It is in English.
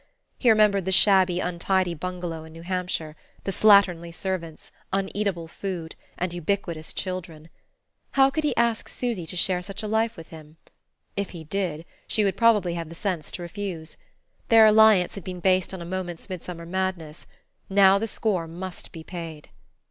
He remembered the shabby untidy bungalow in New Hampshire, the slatternly servants, uneatable food and ubiquitous children. How could he ask Susy to share such a life with him? If he did, she would probably have the sense to refuse. Their alliance had been based on a moment's midsummer madness; now the score must be paid....